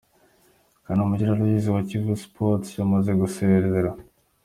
Kanamugire Aloys wa Kiyovu Sports yamaze gusezera.